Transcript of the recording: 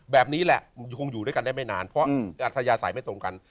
แบบนี้แหละคงอยู่ด้วยกันได้ไม่นานเพราะอัธยาศัยไม่ตรงกัน